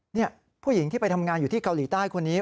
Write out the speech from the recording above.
นี่ผู้หญิงที่ไปทำงานอยู่ที่เกาหลีใต้คนนี้